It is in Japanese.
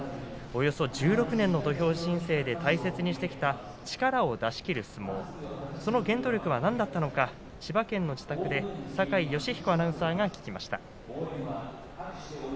およそ１６年の土俵人生で大切にしてきた力を出し切る相撲その原動力は何だったのか千葉県の自宅で酒井アナウンサーが聞きました。